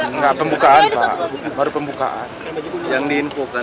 ya pembukaan pak baru pembukaan